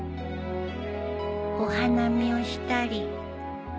お花見をしたり。